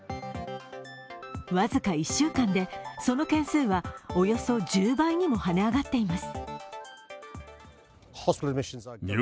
僅か１週間で、その件数はおよそ１０倍にも跳ね上がっています。